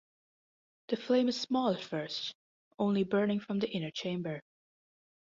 The flame is small at first, only burning from the inner chamber.